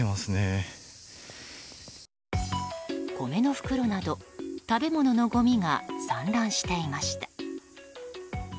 米の袋など、食べ物のごみが散乱していました。